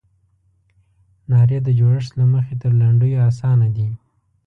نارې د جوړښت له مخې تر لنډیو اسانه دي.